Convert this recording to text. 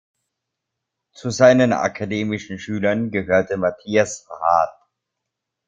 Zu seinen akademischen Schülern gehörte Matthias Hardt.